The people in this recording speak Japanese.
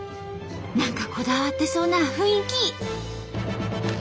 何かこだわってそうな雰囲気。